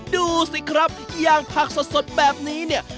ดูสิครับอย่างผักสดแบบนี้เนี่ย